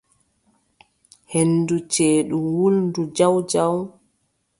Henndu ceeɗu wulndu jaw jaw.